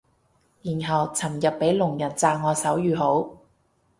然後尋日俾聾人讚我手語好